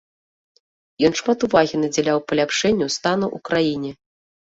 Ён шмат увагі надзяляў паляпшэнню стану ў краіне.